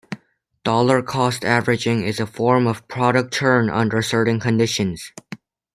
Dollar cost averaging is a form of product churn under certain conditions.